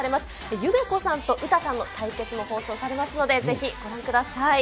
ユメコさんとウタさんの対決も放送されますので、ぜひご覧ください。